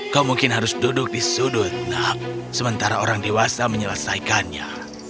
kau mungkin harus duduk di sudut nak sementara orang dewasa menyelesaikannya